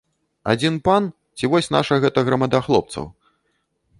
Адзін пан ці вось наша гэта грамада хлопцаў?!